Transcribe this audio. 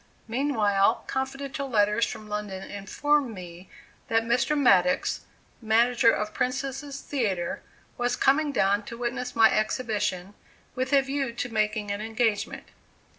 Meanwhile confidential letters from London informed me that Mr. Maddox, Manager of Princess's Theatre, was coming down to witness my exhibition, with a view to making an engagement.